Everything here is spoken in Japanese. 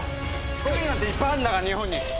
スクリーンなんていっぱいあるんだから日本に。